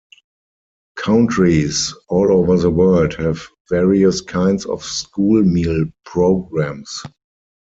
Countries all over the world have various kinds of school meal programs.